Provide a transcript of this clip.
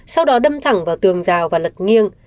sau đó đâm thẳng vào tường rào và lật nghiêng